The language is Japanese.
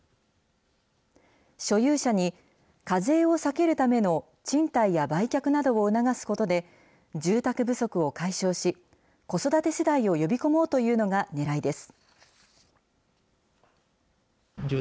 所有者に、課税を避けるための賃貸や売却などを促すことで、住宅不足を解消し、子育て世代を呼び込もうというのがねらいです。